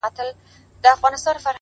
ورک له نورو ورک له ځانه!